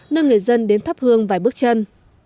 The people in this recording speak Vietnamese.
nâng người dân đến thắp hương vài bước chân